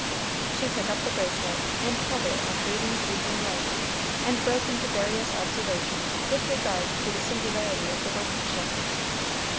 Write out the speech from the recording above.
She took up the bracelet, and held it in the fading evening light, and broke into various observations with regard to the singularity of the workmanship.